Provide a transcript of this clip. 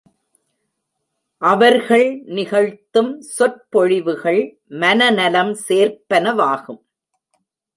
அவர்கள் நிகழ்த்தும் சொற்பொழிவுகள் மன நலம் சேர்ப்பன வாகும்.